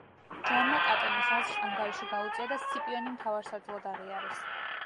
ჯარმა კატონის აზრს ანგარიში გაუწია და სციპიონი მთავარსარდლად აღიარეს.